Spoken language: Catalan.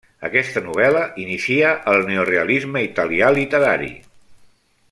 Aquesta novel·la inicia el neorealisme italià literari.